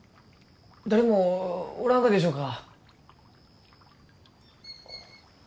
誰もおらんがでしょうか？